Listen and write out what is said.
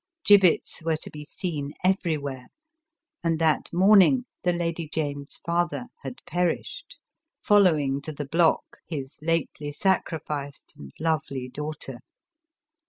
Gibbets were to be seen everywhere, and that morning the Lady Jane's father had perished, follow ing to the block his lately sacrificed and lovely daugh ter.